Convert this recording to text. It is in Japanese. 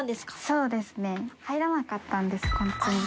そうですね入らなかったんですこっちに。